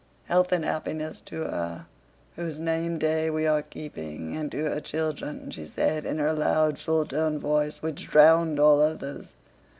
"Health and happiness to her whose name day we are keeping and to her children," she said, in her loud, full toned voice which drowned all others.